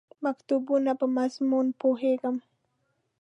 مکتوبونو په مضمون پوهېږم.